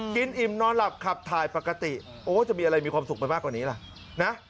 อิ่มนอนหลับขับถ่ายปกติโอ้จะมีอะไรมีความสุขไปมากกว่านี้ล่ะนะ